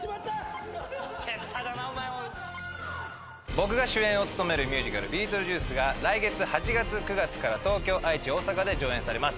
僕が主演を務めるミュージカル「ビートルジュース」が来月８月・９月から東京・愛知・大阪で上演されます。